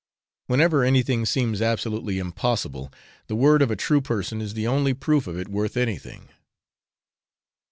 Whenever anything seems absolutely impossible, the word of a true person is the only proof of it worth anything.